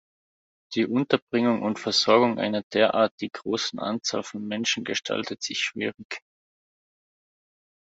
Die Unterbringung und Versorgung einer derartig großen Anzahl von Menschen gestaltete sich schwierig.